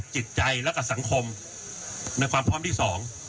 จิตใจและกับสังคมในความพร้อมที่สอง